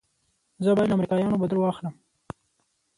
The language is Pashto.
زه بايد له امريکايانو بدل واخلم.